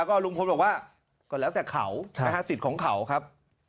ก็ลุงพลบอกว่าก็แล้วแต่เขานะฮะสิทธิ์ของเขาครับ